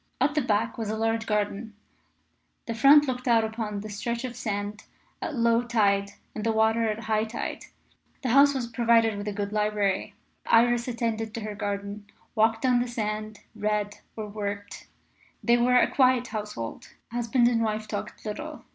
At the back was a large garden, the front looked out upon the stretch of sand at low tide and the water at high tide. The house was provided with a good library. Iris attended to her garden, walked on the sands, read, or worked. They were a quiet household. Husband and wife talked little.